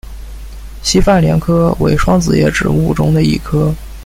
西番莲科为双子叶植物中的一科。